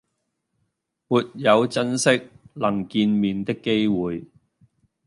沒有珍惜能見面的機會